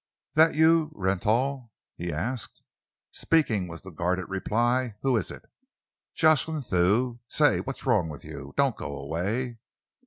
"That you, Rentoul?" he asked. "Speaking," was the guarded reply. "Who is it?" "Jocelyn Thew. Say, what's wrong with you? Don't go away."